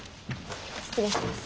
失礼します。